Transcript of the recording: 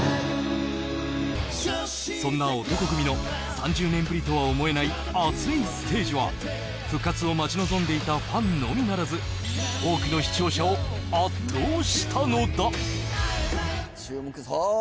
そんな男闘呼組の３０年ぶりとは思えない熱いステージは復活を待ち望んでいたファンのみならず多くの視聴者を圧倒したのだ。